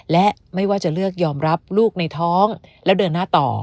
และไม่ว่าจะเลือกยอมรับลูกในท้องแล้วเดินหน้าต่อ